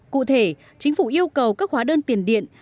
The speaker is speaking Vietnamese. cụ thể chính phủ yêu cầu các hóa đơn tiền điện